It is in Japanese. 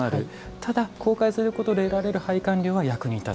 ただ、公開することで得られる拝観料は役に立つ。